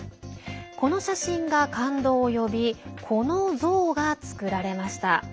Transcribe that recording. この写真が感動を呼びこの像が作られました。